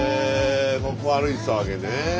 ここ歩いてたわけね。